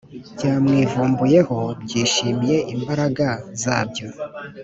byamwivumbuyeho byishimye imbaraga zabyo